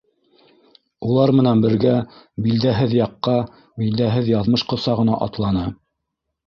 Улар менән бергә билдәһеҙ яҡҡа, билдәһеҙ яҙмыш ҡосағына атланы.